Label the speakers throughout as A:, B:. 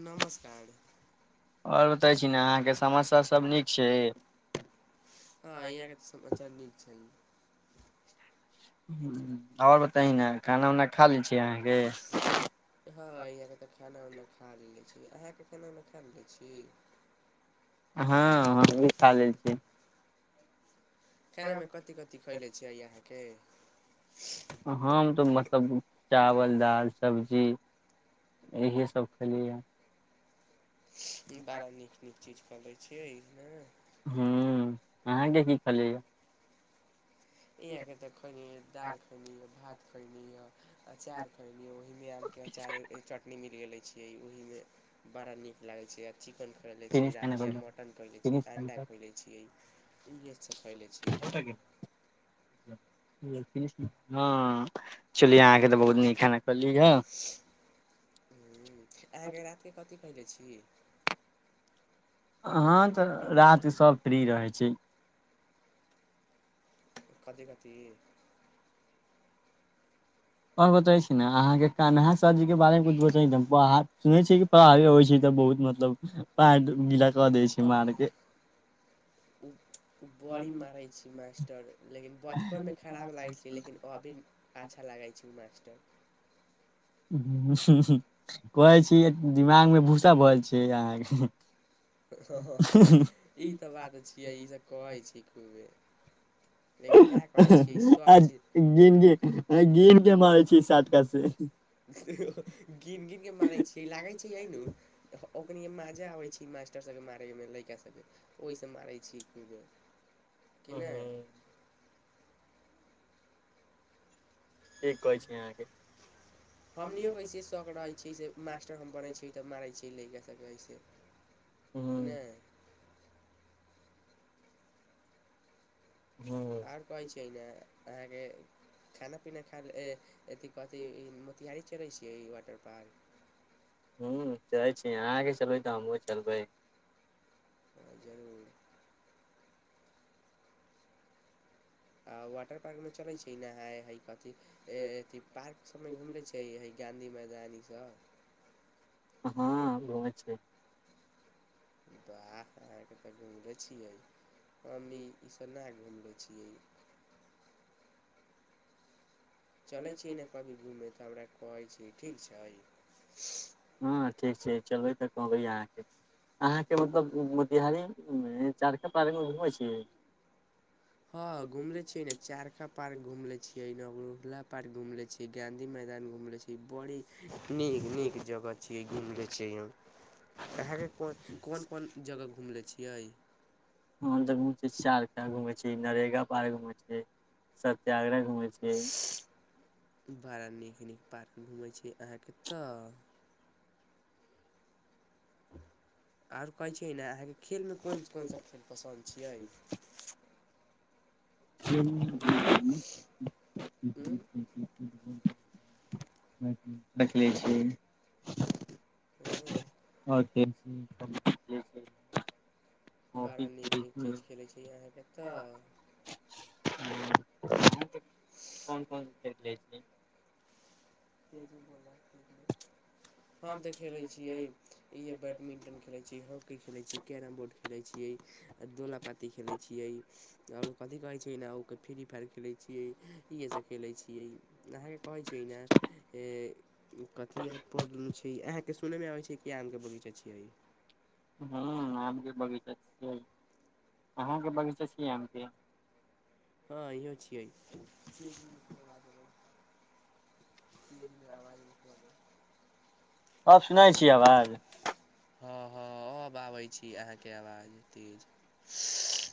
A: नमस्कार।
B: और बतै छी न आहाँके समसा सब नीक छैय?
A: हँ इहाँ के तऽ समाचार नीक छैय।
B: और बताइ न खाना उना खा लै छियै आहाँ के
A: हँ याहाँ के तऽ खाना उना खा लै छी आहाँ के खाना उना खा ले ले छी।
B: हँ हमहूँ खा लेल छी।
A: खाना मे कथी कथि खैले छियै आहाँ के
B: हम तऽ मतलब चावल, दाल, सब्जी इहे सब खेलियै।
A: ई बड़ा नीक नीक चीज खैलै छियै ना।
B: हूँ आहाँ के की खैलियै या।
A: इह अखन तक खैली यै दाल खैली य भात खैली य अचार खैलियै ओहि मे आम के अचार चटनी मिल गेल छीय ओहि मे बड़ा नीक लागै छै आ चिकेन खैले छी रात के आ मटन खैले छी अण्डा खै लै छिये। इहे सब खैले छिये
B: हँ चली आहाँ के तऽ बहुत नीक खाना खैली ह।
A: आहाँ के रात के कथी खैले छी।
B: हँ तऽ रात सब फ्री रहै छी।
A: कथी कथी?
B: और बताय छी ने आहाँ के कन्हा सर जी के बारे मे [unintelligible] सुनै छी। ब होबै छै तऽ बहुत मतलब पैंट गीला क दै छै मार के।
A: [inaudible] ओ ओ बड़ी मारै छी मास्टर लेकिन बचपनमे खराब लागै छै लेकिन अभी अच्छा लगै छै उ मास्टर।
B: कहै छी दिमागमे भूसा भरल छै अहाँके।
A: ई तऽ बात छियै ईसब कहै छी खूबे।
B: आ
A: लेकिन का करै छियै
B: [unintelligible]
A: सर
B: गिन के मारै छी सटका से।
A: गिन गिन के मारै छियै लागै छै यही नु। ओखनि माजा आबै
B: ठीक
A: छै मास्टरसभके मारैमे लइका सबके। ओहिसँ मारै छी कू बेर कि नहि।
B: ठीक कहै छी अहाँके।
A: हमनिओ
B: हूँ
A: कइसे शौक रहै छी से मास्टर हम पढ़ै छी तऽ मारै छी लइका सभके अइसे। नय।
B: हू।
A: कहय छिये अहाँ के खाना पीना खा ले ए अथी कऽथि मोतिहारी लय छियै ई वाटर पार्क।
B: हू चैलेय छी अहाँके चलबै तऽ हमहूँ चलबै।
A: हँ जरूर। आ वाटर पार्क मे चलैय छी नहाय हई कथी। ए अथी पार्क सभमे घुमले छै हय गाँधी मैदानी इ सब।
B: हँ घुमले छिये।
A: बाह अहाँके तऽ घुमले छियै हम ई ईस ना घुमले छियै। चलै छीये ने कभी घूमे तऽ हमरा कहै छीये ठीक छै।
B: हँ ठीक छै चलबै तऽ कहबै अहाँके अहाँके मतलब मोतिहारी मे चारका पार्क मे घुमैय छि।
A: हँ घुमरे छी। इ ने चारका पार्क घूमले छीये नहूला पार्क घूमले छीे गांधी मैदान घूले छी। ई बड़ी नीक नीक जगह छी। छियै अहाँके कोन कोन जगह घमले छियै।
B: हम तऽ घुमय छी [unintelligible] घूमय छी नरेगा पार्क घुमे छी। सत्याग्रह घुमै छी
A: बड़ा नीक नीक पार्क घुमे छी अहाँ के तऽ आओर कहैत छियै ने, अहाँके खेलमे कोन कोन सा खेल पसन्द छियै?
B: ह
A: उँ
B: [unintelligible] देखले छियै।
A: हू
B: ओते [unintelligible]
A: बड़ा नीक नीक चीज खेलै छीअहाँके तऽ ह [unintelligible]
B: [unintelligible] लै छै।
A: हम देखेबै छियै, इह बैडमिंटन खेलैत छियै, हॉकी खेलैत छियै, कैरम बोर्ड खेलैत छियै अ दोला पाती खेलैत छियै। त आओरो कथि कहैत छै ने ओकर फ्री फायर खेलैत छियै। इएहे सब खेलै छियै। दहाएर कह छी नै। कथी आ पल छै, अहाँके सुनैमे आबै छै क आमके बगीचा छियै।
B: ह आम के बगीचा छियै। अहाँके बगीचा छियै आम के?
A: हँ इहो छियै। क रहवाज [unintelligible]
B: अब सुनै छी आवाज?
A: हँ हँ, अब आबै छी अहाँके आवाज तेज।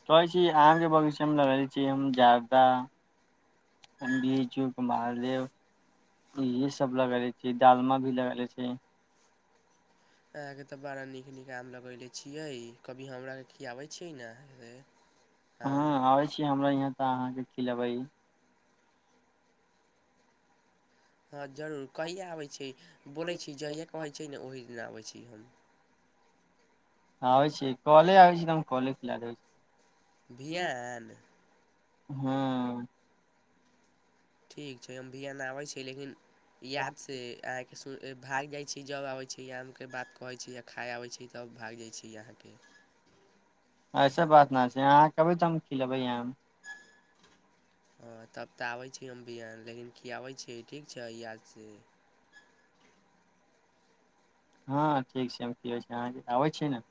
B: कहऽइ छी आमरे बगीचामे लगा एत कि हम जादा बीचू कुमारदेव इहे सब लगेले छियै, डालमा भी लगेले छियै।
A: अहाँके तऽ बड़ा नीक नीक आम लगेलै छियै। कभी हमराके की खियाबै छियै ने?
B: हँ
A: आम
B: आबै छी हमरा यहाँ तऽ अहाँके खिलेबै।
A: हँ जरूर, कहिया आबैत छी? बोलैत छी जहिे कहैत छै ने ओहि दिना अबै छी हम।
B: आबै छी कॉले आबै छी तऽ हम कले खिला देै छी।
A: बिहान
B: हँ
A: ठीक छै हम बिहान आबै छी, लेकिन यादसँ अहाँके सु भागि जाइत छी जब आबै छी आमके बात कहैत छी या खाइ आबैत छी तब भाग जाइत छी अहाँके।
B: ऐसे बात ना छै, अहाँ कहबै त हम खिलेबै आम।
A: हँ तब तऽ आबै छी हम बिहान लेकिन खियाबै छी ठीक छै यादसँ?
B: हँ ठीक छै हम की हो छै अहाँ आबै छि ने?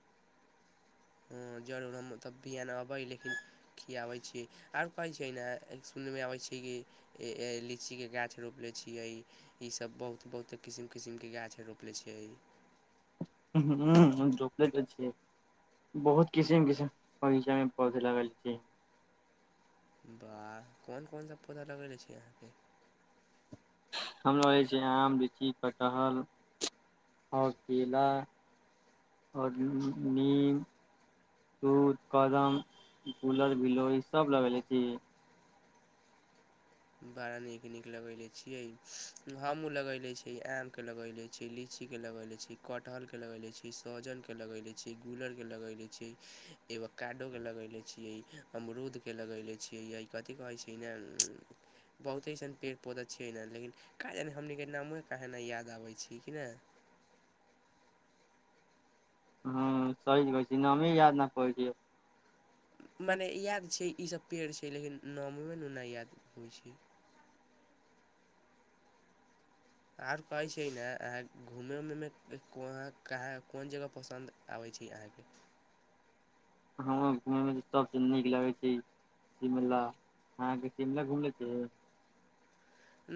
A: हँ जरूर हम तब भी एन अबै लेकिन खियाबै छी, हर पै छियै ने, सुनयमे अबै छियै कि ए ऐ, लीचीके गाछ रोपले छियै ईसभ बहुत बहुत किसिम किसिमके गाछ रोपले छियै ई।
B: ह रोपले त छै, बहुत किसिम किसम बगीचामे पौध लागल छै।
A: बाह, कोन कोन सा पौधा लगेनेे छियै अहाँके?
B: हम लगेने छियै आम ली ची, कटहल आओर केला आओर
A: ह
B: दूर कदम गूलर गिलोइ सब लगैले छी।
A: बड़ा नीक - नीक लगैले छियै हमहुं लगैले छियै आ के लगैले छी लीची के लगैले छी कटहल के लगैले छी सहजन के लगैले छी गूलर के लगैले छियइ। एगो काडो के लगैले छियइ अमरूद के लगैले छियइ य इ कथी कहै छै न बहुते अइसन पेड़
B: हँ
A: पौधा छियै ने लेकिन का जानी हमनी के नामोे काहे ना याद आबै छी कि ने।
B: हँ सही कहै छी नामे याद न पबै छियै।
A: मने याद छै ई सब पेड़ छै लेकिन नाममे ने नै याद होइ छै। आर कहय छियइ ने अहाँक घूमै उमै मे को - कहाँ कोन जगह पसन्द आबै छै अहाँके?
B: हमरा घूमै मे सबसँ नीक लगै छै शिमला अहाँके शिमला घुमले छी?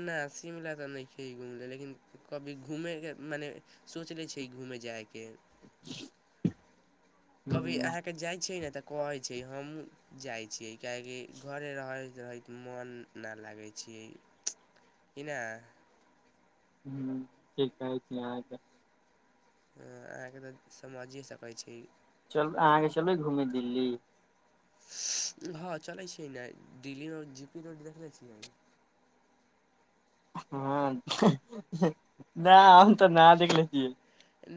A: ने शिमला तऽ नै छियै घुमले लेकिन कभी घूमय के मने सोचले छियै घूमय जाय के। कभी अहाँके जाइ छियै ने तऽ कहै छियै हमू जाइ छियै। किएकि घरे रहैत रहैत मोन ने लागै छियै कि ने।
B: हूॅं ठीक कहै छी अहां तऽ
A: अहाँकेँ तऽ समझिए सकै छी।
B: चलु अहाँके चलबै घूमय दिल्ली?
A: हँ चलै छीयै ने दिल्ली मे जी पी रोड देखने छियइ।
B: हँ ना हम तऽ ना देखले छियै।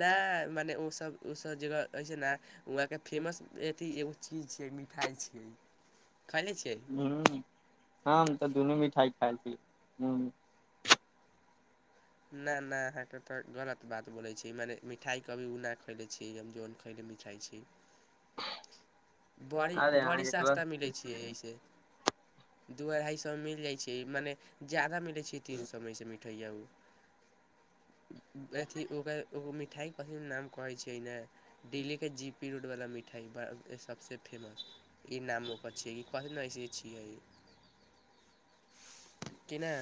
A: नेए मने ओ सब - ओ सब जगह कहै छै ने वहाँके फेमस अथी एगो चीज छियै मिठाइ छियै। खयने छियै?
B: उंहूँ। हम तऽ दुनू मिठाइ खाइल छी हूं।
A: ने ने अहांक तऽ गलत बात बोलै छियै मने मिठाइ कभी उ न खैले छियै हम जन खैलेए मिठाइ छियै। बड़ी,
B: अरे
A: बड़ी सस्ता मिलै छियै
B: अहाँके
A: एहि से।
B: हूँ
A: दू
B: ओ
A: अढ़ाइ सौ मे मिल जाइ छै मने ज्यादा मिलै छै तीन सौ मे एहिसँ मिठइया उ। अथि ओ - ओकरा ओ मिठाइ के कथी नाम कहै छियै ने। दिल्ली के जी पी रोडवला मिठाइ ब - सभ से फेमस ई नाम ओकर छियै। बास नहिऐसी [unintelligible] छियइ कि ने।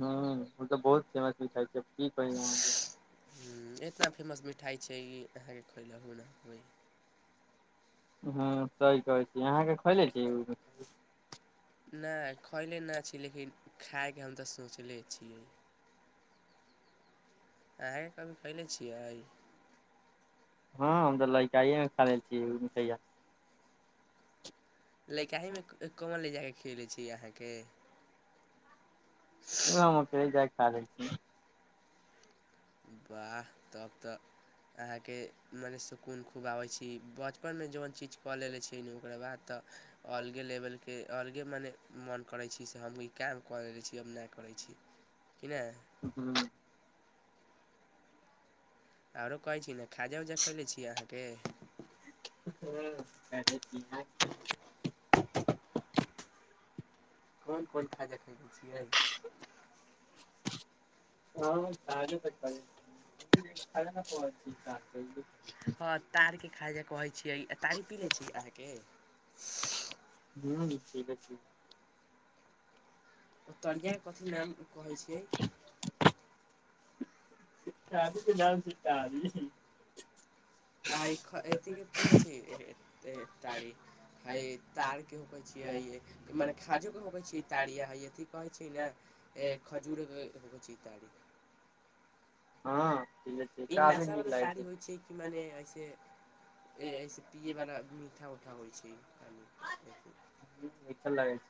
B: हॅं ओ तऽ बहुत फेमस मिठाई छै की कही अहांके।
A: हूॅं एतना फेमस मिठाइ छै ई अहाँके खइलहु ने होइ।
B: हॅं सही कहै छी अहाँक खइले छी उ?
A: ने खइले नऽ छी लेकिन खायके हम तऽ सोचले छियै। अहांके कभी खैले छियै?
B: हँ हम तऽ लइकाये मे खेने छी इ मिठइया। उ
A: लइकाहेमे कोन ले जा कऽ खियैले छी अहाँके?
B: हम क जाइ खै [inaudible]
A: बाह तब तऽ अहाँके मने सुकून खूब आबै छी बचपन मे जन चीज कऽ लेले छियइ ने ओकरा बाद तऽ अलगे लेबल के अलगे मने मोन करै छैय से हमहु ई काम करै छी अब नै करै छी। कि नैय
B: हूँ
A: आरो कहै छी ने खाजा-उजा खलै छी अहाँके
B: हु [unintelligible] कोन कोन
A: कोन-कोन खाजा खयलै
B: छै?
A: छियै
B: काजू [unintelligible]
A: हँ तारके खाइ जे कहै छियै तारी पी लै छी अहाँके
B: हूँ पीबइ
A: ओ तरियाके कथी नाम कहै छियै तारी
B: शादीके
A: के नाम
B: छै
A: तऽ तारी छै। आइ खै एथी
B: शादी
A: के पीने छियै ए ताड़ी हइ तारके हूकै
B: हँ
A: छियै मने खाजोके होकै
B: काफी
A: छियै तारिया हए अथी कहै छै नऽ ए खजूरके होय छै ताड़ी
B: हँ ठीके
A: ई नशा बला ताड़ी होइ छै कि मने अएसे ए एहिसँ पियैवला मीठा-उठा होइ छै कनि
B: मिठल लागै
A: [unintelligible]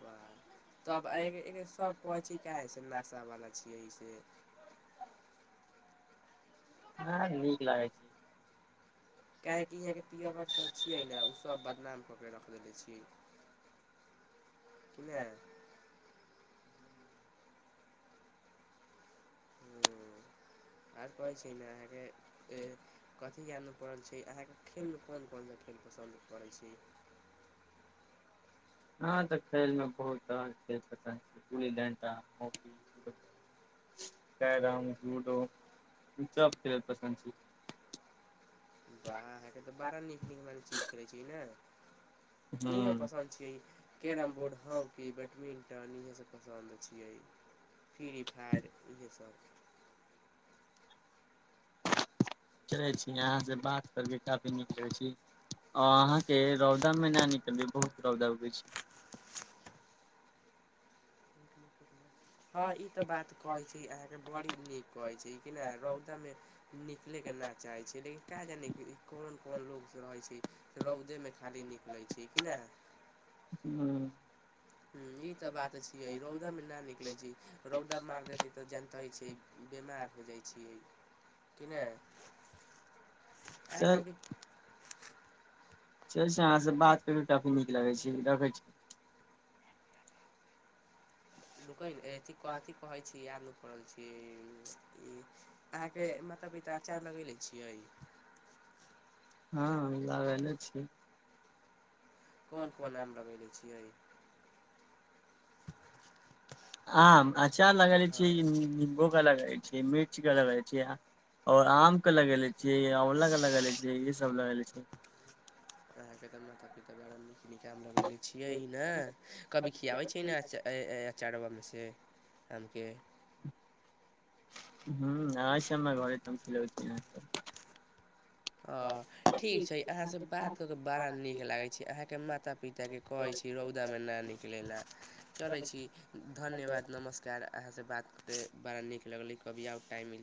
A: बाह तब
B: छै
A: अहेएहेसब काहै छै कसे नशावला छियै ई सेे
B: हँ नीक लागै छैय।
A: काहेकि यहाँ के पीये आर सब छियै ने उ सब बदनाम क के रख रगै छी कि नै आर कहै छैय। ने अहाँके कथी याद नऽ पड़ल छै अहाँके खेलमे कोन-कोन सब खेल पसन्द पड़ैय छै
B: ह तऽ खेल मे बहुत तरहके खेल पसन्द छै गूली-डंटा हॉकी फुटबॉल कैरम लूडो ई सब खेल पसन्द छैय।
A: बाह अहाके तऽ बड़ा नीक निगमन चीज करै छी ने इहे
B: हूँ
A: पसन्द छियै carrom board hockey badminton इहे सब पसन्द छियै फ्री फायर इहे सब
B: चले छी अहाँ से बात करबै काफी नीक रहे छी अ अहाँ के रौदा में नऽ नी बहुत रौदा उगै छै
A: हँ ई तऽ बात कहय छी अहाँके बड़ी नीक कहय छी कि नऽ रौदामें निकलैके ना चाहे छी लेकिन का जाने की इ कौन-कौन लोक रहै छै रौदेमे खाली निकलय छय कि नाऽ
B: हूं
A: हूं ई तऽ बात छिय रौदा मे ना निकलय छी। रौदा मारि देतैय तऽ जनतये छी बिमार हो जाए छियय की नै अहा
B: चल
A: कऽ बी
B: चले छै अहाँ से बात कर के काफी नीक लगय छी रखै छी
A: रुकैयने एथी कथि कहय कहै छी याद ना परल छैय अहाँके माता-पिता चार लगेले छियय
B: हँ लागैले छी
A: कौन कोना में लगैेले छियय
B: आम अँचार लगैले
A: हँ
B: छियै निम्बूे कऽ लगैय छियै मिर्चके लगैय छियै‌ आ और आमके लगेलै छियय आँंवलाके लगेले छियय ई सब लगेले छिय
A: अहाँ के त माता पिता के द्वारा [unintelligible] छियै ने कभी खियाबय छिय ने आच एय-एय अचारवा मे से आमके
B: हम्म आय छै हमर घरे [unintelligible]
A: अँ ठीक छय अहाँसँ बात कऽ क बड़ा नीक लागय छय, अहाँके माता पिताके कहय छी रौंदामे
B: अहाँके
A: न निकलय ला, चलै छी धन्यवाद नमस् कार, अहाँसँ बात क के बड़ा नीक लगलै, कभी आउ टाइम मिल